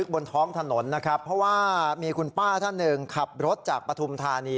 บนท้องถนนนะครับเพราะว่ามีคุณป้าท่านหนึ่งขับรถจากปฐุมธานี